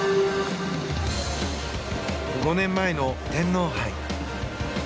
５年前の天皇杯。